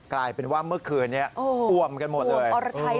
กลายเป็นว่าเมื่อคืนนี้อวมกันหมดเลย